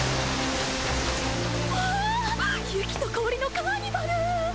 お雪と氷のカーニバル！